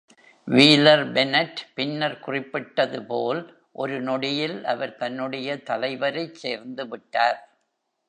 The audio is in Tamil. வீலர்-பென்னெட் பின்னர் குறிப்பிட்டதுபோல், “...ஒரு நொடியில் அவர் தன்னுடைய தலைவரைச் சேர்ந்துவிட்டார்".